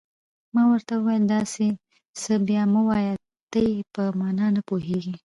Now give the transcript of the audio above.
ما ورته وویل: داسې څه بیا مه وایه، ته یې په معنا نه پوهېږې.